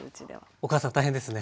お母さん大変ですね。